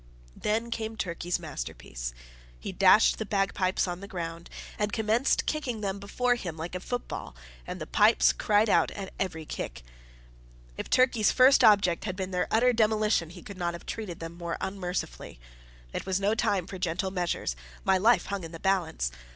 Then came Turkey's masterpiece. He dashed the bagpipes on the ground, and commenced kicking them before him like a football, and the pipes cried out at every kick. If Turkey's first object had been their utter demolition, he could not have treated them more unmercifully. It was no time for gentle measures: my life hung in the balance.